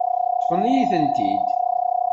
Ṭṭfent-iyi-tent-id.